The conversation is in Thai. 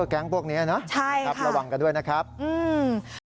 แก๊งพวกนี้เนอะระวังกันด้วยนะครับใช่ค่ะ